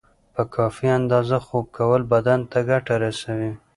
په کافی اندازه خوب کول بدن ته ګټه رسوی